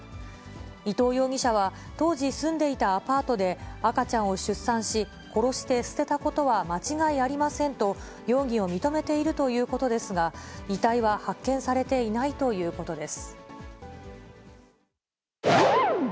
伊藤容疑者は、当時住んでいたアパートで赤ちゃんを出産し、殺して捨てたことは間違いありませんと、容疑を認めているということですが、遺体は発見されていないということです。